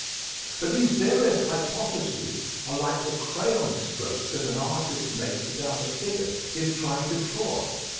But these various hypotheses are like the crayon strokes that an artist makes about a figure he is trying to draw.